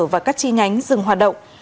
và các chi nhánh dừng hoạt động